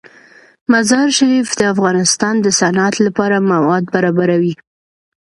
مزارشریف د افغانستان د صنعت لپاره مواد برابروي.